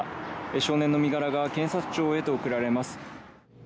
少年の身柄が検察庁へと送られます。